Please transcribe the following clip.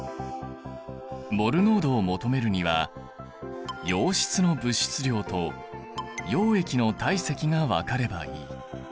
モル濃度を求めるには溶質の物質量と溶液の体積が分かればいい。